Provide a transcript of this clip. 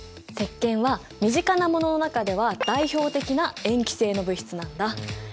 石けんは身近なものの中では代表的な塩基性の物質なんだ。